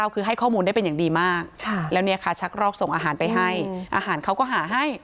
เดี๋ยวเนี่ยค่ะชักรอกส่งอาหารไปให้อาหารเขาก็หาให้